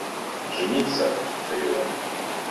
«Жениться! – повторил он.